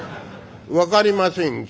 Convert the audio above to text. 「分かりません。